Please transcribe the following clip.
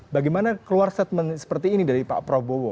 bagaimana keluar statement seperti ini dari pak prabowo